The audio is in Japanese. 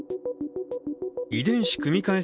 遺伝子組み換え